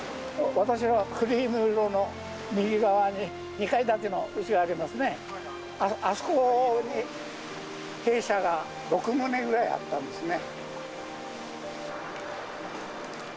私はクリーム色の、右側に２階建てのうちがありますね、あそこに兵舎が６棟ぐらいあったんですね。